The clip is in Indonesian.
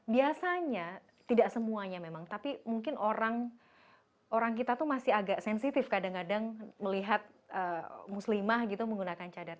biasanya tidak semuanya memang tapi mungkin orang kita tuh masih agak sensitif kadang kadang melihat muslimah gitu menggunakan cadar